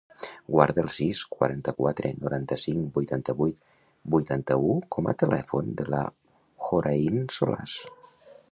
Guarda el sis, quaranta-quatre, noranta-cinc, vuitanta-vuit, vuitanta-u com a telèfon de la Hoorain Solaz.